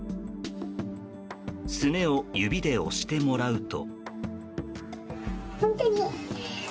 すねを指で押してもらうと。